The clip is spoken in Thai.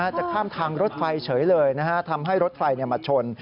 จะข้ามทางรถไฟเฉยเลยทำให้รถไฟมาชน